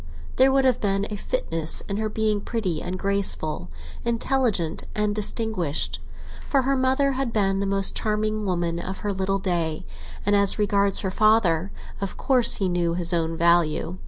There would have been a fitness in her being pretty and graceful, intelligent and distinguished; for her mother had been the most charming woman of her little day, and as regards her father, of course he knew his own value.